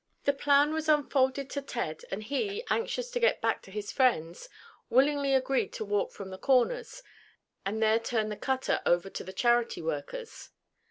The plan was unfolded to Ted, and he, anxious to get back to his friends, willingly agreed to walk from the Corners, and there turn the cutter over to the charity workers.